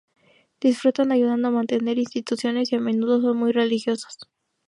Disfrutan ayudando a mantener instituciones y a menudo son muy religiosos.